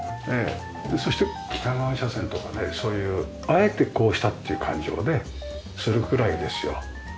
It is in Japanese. そして北側斜線とかねそういうあえてこうしたっていう感じもねするくらいですよ。